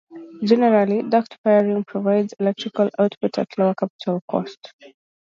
Generally, duct firing provides electrical output at lower capital cost.